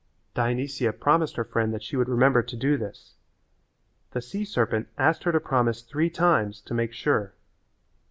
Dionysia promised her friend that she would remember to do this. The sea serpent asked her to promise three times to make sure.